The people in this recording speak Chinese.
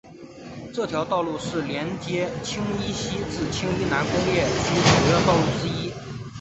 这条道路是连接青衣西至青衣南工业区主要道路之一。